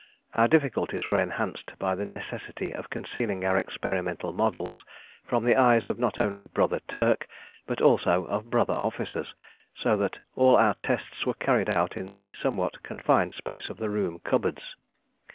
Our difficulties were enhanced by the necessity of concealing our experimental models from the eyes not only of brother Turk, but also of brother officers, so that all our tests were carried out in the somewhat confined space of the room cupboards.